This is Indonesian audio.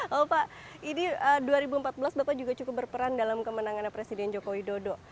kalau pak ini dua ribu empat belas bapak juga cukup berperan dalam kemenangan presiden jokowi dodo